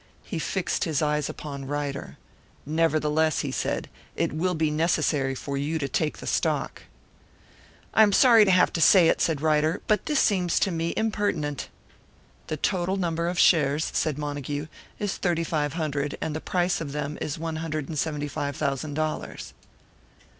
He fixed his eyes upon Ryder. "Nevertheless," he said, "it will be necessary for you to take the stock." "I am sorry to have to say it," said Ryder, "but this seems to me impertinent." "The total number of shares," said Montague, "is thirty five hundred, and the price of them is one hundred and seventy five thousand dollars."